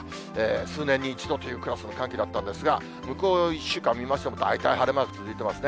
数年に一度というクラスの寒気だったんですが、向こう１週間を見ましても、大体晴れマーク続いてますね。